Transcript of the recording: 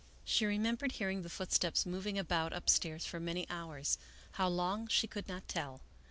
She remembered hearing the footsteps mov ing about upstairs for many hours, how long she could not tell.